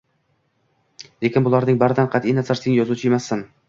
Lekin bularning baridan qatʼi nazar, sen yozuvchi emassan…